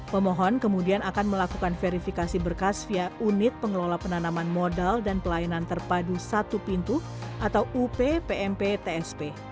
pemohon kemudian akan melakukan verifikasi berkas via unit pengelola penanaman modal dan pelayanan terpadu satu pintu atau up pmp tsp